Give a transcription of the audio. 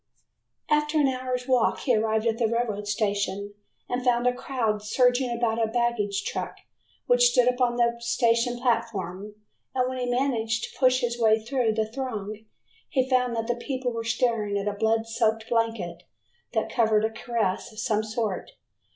After an hour's walk he arrived at the railroad station and found a crowd surging about a baggage truck which stood upon the station platform, and when he managed to push his way through the throng he found that the people were staring at a blood soaked blanket that covered a carcass of some sort.